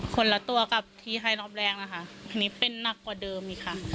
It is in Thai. คนละตัวกับที่ให้รอบแรกนะคะทีนี้เป็นหนักกว่าเดิมอีกค่ะ